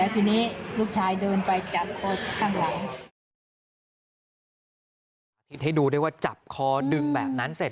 คิดให้ดูได้ว่าจับคอดึงแบบนั้นเสร็จ